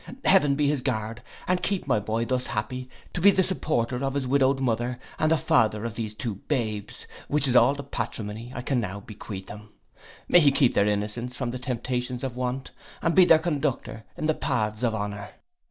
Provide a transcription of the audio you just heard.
Heaven be his guard, and keep my boy thus happy to be the supporter of his widowed mother, and the father of these two babes, which is all the patrimony I can now bequeath him. May he keep their innocence from the temptations of want, and be their conductor in the paths of honour.